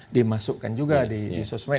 dimasukkan juga di sosmed